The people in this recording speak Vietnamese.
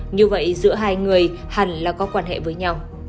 như vậy giữa hai người hẳn là có quan hệ với nhau